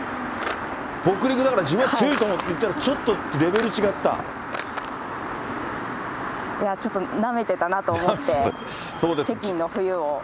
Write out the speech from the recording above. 北陸だから自分は強いと思って行ったら、いや、ちょっとなめてたなと思って、北京の冬を。